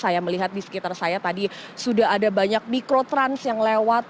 saya melihat di sekitar saya tadi sudah ada banyak mikrotrans yang lewat